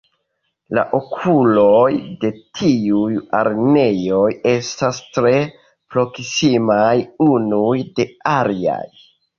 La okuloj de tiuj araneoj estas tre proksimaj unuj de aliaj.